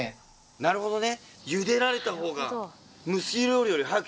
なるほどね！